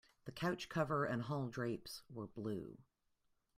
The couch cover and hall drapes were blue.